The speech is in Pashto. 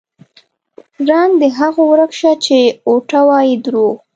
رنګ د هغو ورک شه چې اوټه وايي دروغ